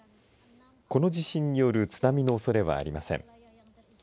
この地震による津波のおそれはありません。